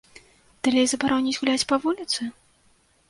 Далей забароняць гуляць па вуліцы?